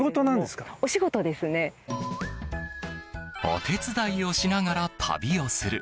お手伝いをしながら旅をする。